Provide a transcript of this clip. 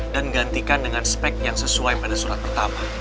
dan gantikan dengan spek yang sesuai pada surat pertama